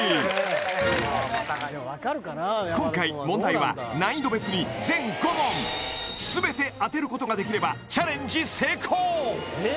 今回問題は難易度別に全５問全て当てることができればチャレンジ